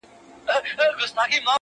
o دا کتاب ختم سو نور، یو بل کتاب راکه.